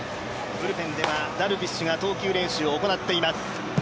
ブルペンではダルビッシュが投球練習を行っています。